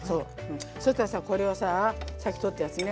そしたらさこれをささっき取ったやつね。